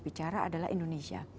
bicara adalah indonesia